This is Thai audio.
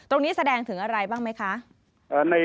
ตรงนี้แสดงถึงอะไรบ้างไหมคะ